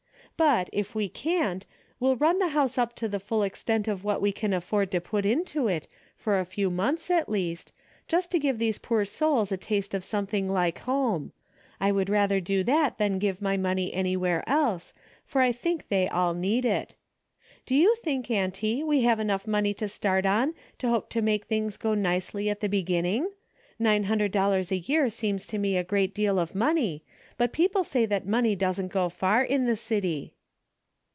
But if we can't, we'll run the house up to the full extent of what we can alford to put into it, for a few months at least, just to give these poor souls a taste of some thing like home. I would rather do that than give my money somewhere else, for I think they all need it. Do you think, auntie, w^e have enough money to start on to hope to make things go nicely at the beginning ? ]N ine hundred dollars a year seems to me a great deal of money, but people say that money doesn't go far in the city."